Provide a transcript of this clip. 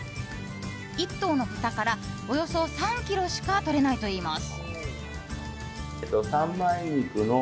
１頭の豚から、およそ３ｋｇしかとれないといいます。